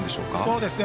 そうですね。